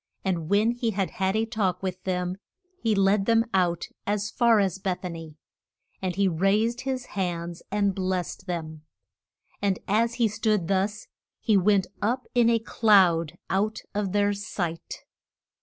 And when he had had a talk with them he led them out as far as Beth a ny. And he raised his hands and blest them, and as he stood thus he went up in a cloud out of their sight.